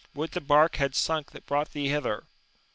' would the bark had been sunk that brought thee hither